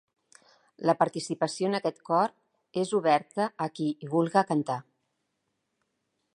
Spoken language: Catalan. La participació en aquest cor és oberta a qui hi vulga cantar.